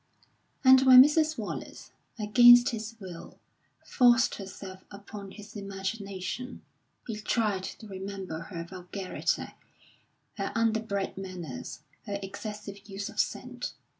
And when Mrs. Wallace, against his will, forced herself upon his imagination, he tried to remember her vulgarity, her underbred manners, her excessive use of scent.